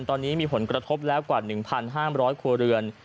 ตอนนี้มีผลกระทบแล้วกว่า๑๕๐๐ครัวเรือน